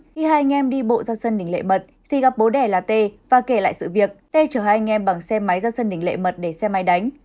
khi hai anh em đi bộ ra sân đỉnh lệ mật thì gặp bố đẻ là tê và kể lại sự việc tê chở hai anh em bằng xe máy ra sân đỉnh lệ mật để xe máy đánh